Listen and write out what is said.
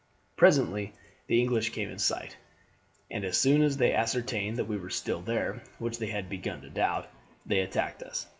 "Presently the English came in sight, and as soon as they ascertained that we were still there, which they had begun to doubt, they attacked us.